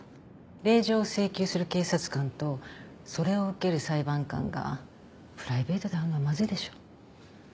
令状を請求する警察官とそれを受ける裁判官がプライベートで会うのはまずいでしょ。